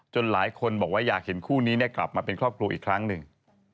หลายคนบอกว่าอยากเห็นคู่นี้กลับมาเป็นครอบครัวอีกครั้งหนึ่ง